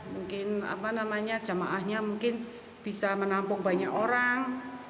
mungkin apa namanya jamaahnya mungkin bisa menampung banyak orang